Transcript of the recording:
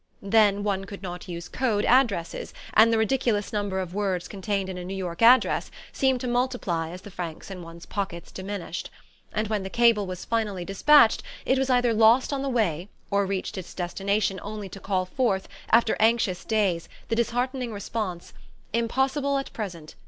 Then one could not use code addresses, and the ridiculous number of words contained in a New York address seemed to multiply as the francs in one's pockets diminished. And when the cable was finally dispatched it was either lost on the way, or reached its destination only to call forth, after anxious days, the disheartening response: "Impossible at present.